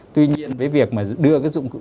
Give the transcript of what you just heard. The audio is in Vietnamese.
tuy nhiên với việc mà đưa cái dụng cụ